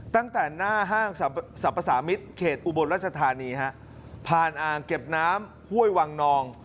ตั้งแต่หน้าห้างสรรพสามิตรเขตอุบลรัชธานีฮะผ่านอ่างเก็บน้ำห้วยวังนอง